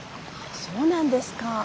そうなんですか。